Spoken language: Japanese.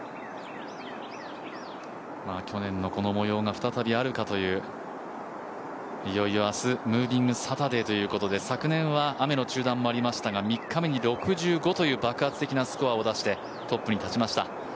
去年のこのもようが再びあるかという、いよいよあす、ムービングサタデーということで、昨年は雨の中断もありましたが、３日目に６５という爆発的なスコアを出して、トップに立ちました。